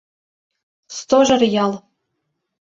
Стожар ял